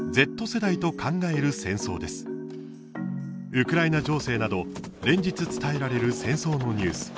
ウクライナ情勢など連日、伝えられる戦争のニュース。